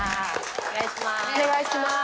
お願いします。